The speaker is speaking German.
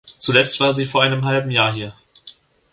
Zuletzt war sie vor einem halben Jahr hier.